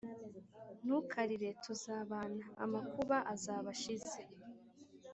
ntukarire tuzabana, amakuba’ azab’ ashize